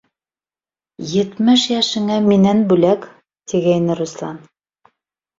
«Етмеш йәшеңә минән бүләк», - тигәйне Руслан.